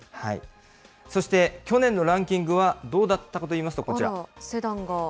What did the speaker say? そして去年のランキングはどうだったかといいますと、こちら。